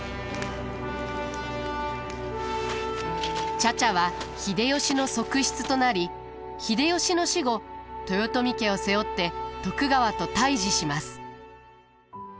茶々は秀吉の側室となり秀吉の死後豊臣家を背負って徳川と対じします。